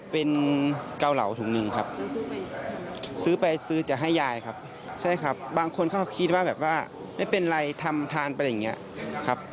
เป็นเกาเหลาถุงหนึ่งครับซื้อไปซื้อจะให้ยายครับใช่ครับบางคนเขาคิดว่าแบบว่าไม่เป็นไรทำทานไปอย่างนี้ครับ